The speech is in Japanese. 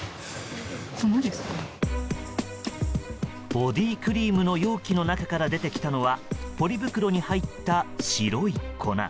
ボディークリームの容器の中から出てきたのはポリ袋に入った白い粉。